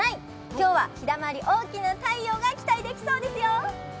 今日は日だまり、大きな太陽が期待できそうですよ。